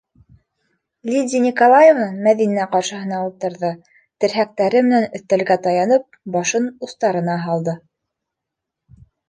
- Лидия Николаевна Мәҙинә ҡаршыһына ултырҙы, терһәктәре менән өҫтәлгә таянып, башын устарына һалды.